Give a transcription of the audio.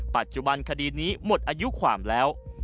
ปัจจุบันคดีนี้หมดอายุความแล้ว